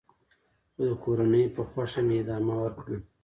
خو د کورنۍ په خوښه مې ادامه ورکړه .